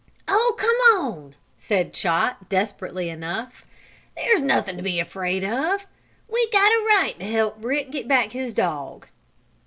"Oh, come on!" said Chot, desperately enough. "There's nothing to be afraid of! We got a right to help Rick get back his dog!"